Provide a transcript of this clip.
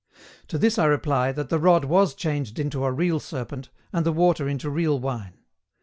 To this I reply, that the rod was changed into a real serpent, and the water into real wine.